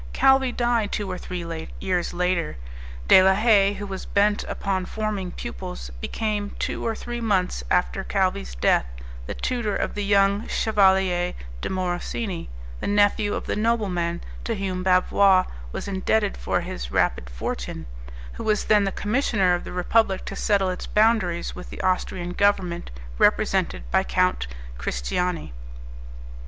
Calvi died two or three years later. De la Haye, who was bent upon forming pupils, became, two or three months after Calvi's death, the tutor of the young Chevalier de Morosini, the nephew of the nobleman to whom Bavois was indebted for his rapid fortune, who was then the Commissioner of the Republic to settle its boundaries with the Austrian Government represented by Count Christiani.